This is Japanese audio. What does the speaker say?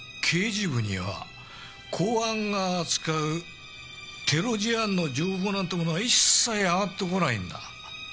刑事部には公安が使うテロ事案の情報なんてものは一切上がってこないんだ。